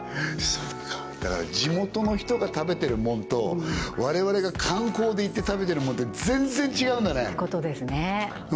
そっかだから地元の人が食べてるもんと我々が観光で行って食べてるもんって全然違うんだねそういうことですね